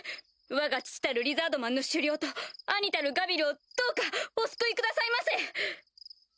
わが父たるリザードマンの首領と兄たるガビルをどうかお救いくださいませ！